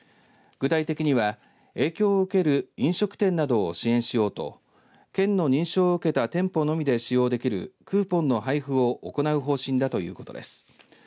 具体的には影響を受ける飲食店などを支援しようと県の認証を受けた店舗のみで使用できるクーポンの配布を行う方針だということです。